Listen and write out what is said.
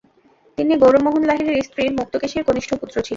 তিনি গৌরমোহন লাহিড়ীর স্ত্রী, মুক্তকেশীর কনিষ্ঠ পুত্র ছিলেন।